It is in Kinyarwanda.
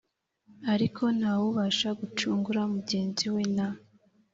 Ariko nta wubasha gucungura mugenzi we na